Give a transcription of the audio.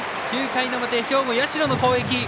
９回の表、兵庫、社高校の攻撃。